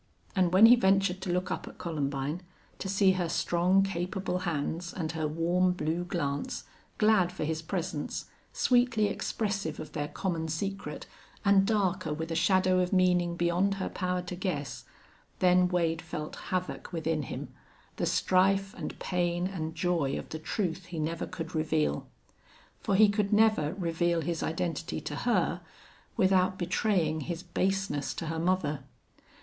And when he ventured to look up at Columbine, to see her strong, capable hands and her warm, blue glance, glad for his presence, sweetly expressive of their common secret and darker with a shadow of meaning beyond her power to guess, then Wade felt havoc within him, the strife and pain and joy of the truth he never could reveal. For he could never reveal his identity to her without betraying his baseness to her mother.